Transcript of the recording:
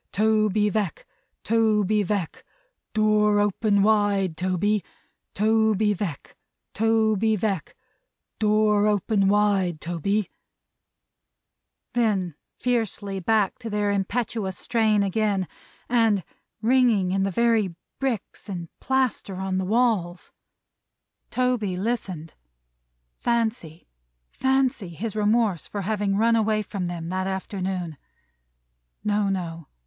Toby Veck, Toby Veck, door open wide Toby, Toby Veck, Toby Veck, door open wide Toby " then fiercely back to their impetuous strain again, and ringing in the very bricks and plaster on the walls. Toby listened. Fancy, fancy! His remorse for having run away from them that afternoon! No, no.